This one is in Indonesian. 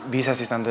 bisa sih tante